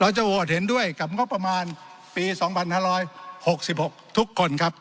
จะโหวตเห็นด้วยกับงบประมาณปี๒๕๖๖ทุกคนครับ